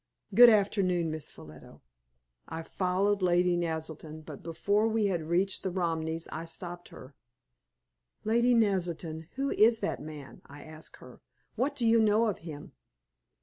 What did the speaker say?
Good afternoon, Miss Ffolliot." I followed Lady Naselton, but before we had reached the Romneys I stopped her. "Lady Naselton, who is that man?" I asked her. "What do you know of him?"